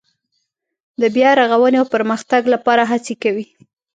د بیا رغاونې او پرمختګ لپاره هڅې کوي.